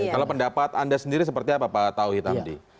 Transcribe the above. kalau pendapat anda sendiri seperti apa pak tauhid hamdi